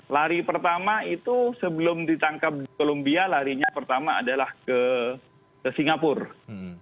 lari pertama itu sebelum ditangkap di columbia larinya pertama adalah ke singapura